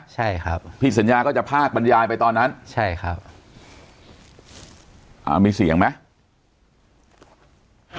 ใช่ครับพี่สัญญาก็จะพากบรรยายไปตอนนั้นใช่ครับอ่ามีเสียงไหม